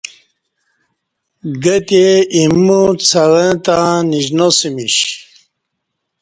گہ اہ تہ اوں څں وہ تہ نیشنا سمیش